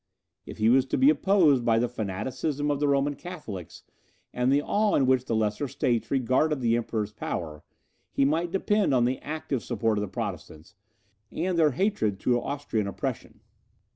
If he was to be opposed by the fanaticism of the Roman Catholics, and the awe in which the lesser states regarded the Emperor's power, he might depend on the active support of the Protestants, and their hatred to Austrian oppression.